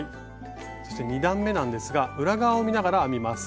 そして２段めなんですが裏側を見ながら編みます。